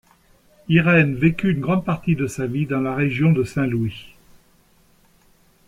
Irene vécu une grande partie de sa vie dans la région de Saint-Louis.